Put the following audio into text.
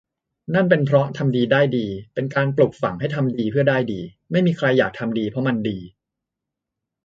นั่นเป็นเพราะ ทำดีได้ดี เป็นการปลูกฝังให้ทำดีเพื่อได้ดี ไม่มีใครอยากทำดีเพราะมันดี